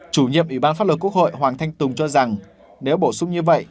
chủ nhiệm ủy ban pháp luật quốc hội hoàng thanh tùng cho rằng nếu bổ sung như vậy